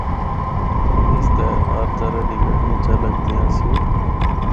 اس تے ہر طرح دی گڈیان چل ہکدیاں آسیاں۔